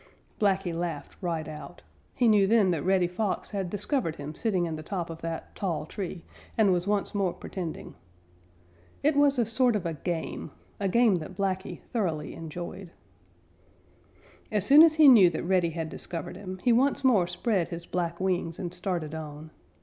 Blacky laughed right out. He knew then that Reddy Fox had discovered him sitting in the top of that tall tree and was once more pretending. It was a sort of a game, a game that Blacky thoroughly enjoyed. As soon as he knew that Reddy had discovered him, he once more spread his black wings and started on.